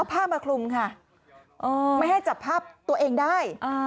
ผ้ามาคลุมค่ะไม่ให้จับภาพตัวเองได้